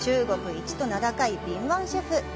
一と名高い敏腕シェフ。